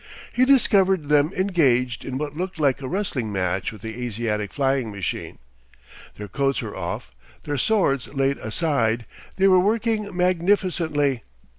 He discovered them engaged in what looked like a wrestling match with the Asiatic flying machine. Their coats were off, their swords laid aside, they were working magnificently.